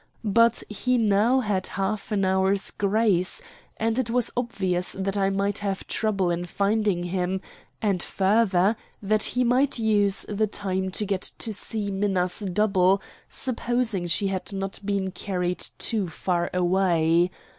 But he had now had half an hour's grace, and it was obvious that I might have trouble in finding him, and, further, that he might use the time to get to see Minna's double, supposing she had not been carried too far away.